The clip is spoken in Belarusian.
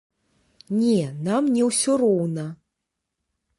Не, нам не ўсё роўна.